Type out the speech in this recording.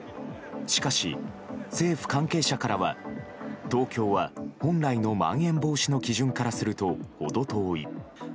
しかし、政府関係者からは東京は本来のまん延防止の基準からするとほど遠い。